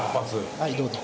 はいどうぞ。